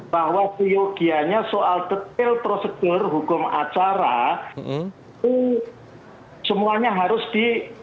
bahwa biogianya soal detail prosedur hukum acara itu semuanya harus di undang undang